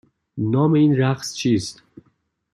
نام این رقص چیست؟